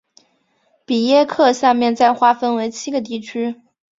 比耶克下面再划分为七个地区。